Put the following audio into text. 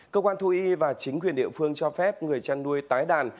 cơ quan thú y và chính quyền địa phương cho phép người chăn nuôi tái đàn